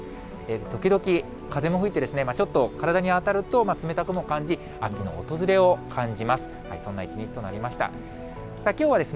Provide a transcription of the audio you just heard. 時々、風も吹いて、ちょっと体に当たると冷たくも感じ、秋の訪れを感じます。